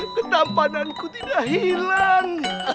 ketampananku tidak hilang